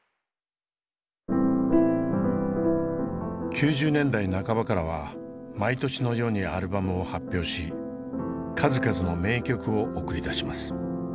９０年代半ばからは毎年のようにアルバムを発表し数々の名曲を送り出します。